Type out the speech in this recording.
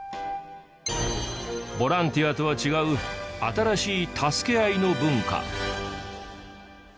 ボランティアとは違う新しい助け合いの文化。